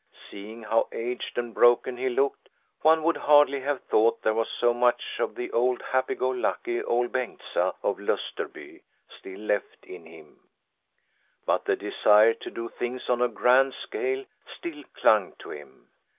Seeing how aged and broken he looked, one would hardly have thought there was so much of the old happy go lucky Ol' Bengtsa of Lusterby still left in him, but the desire to do things on a grand scale still clung to him.